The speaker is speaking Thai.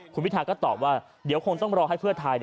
คุณพิทาก็ตอบว่าเดี๋ยวคงต้องรอให้เพื่อไทย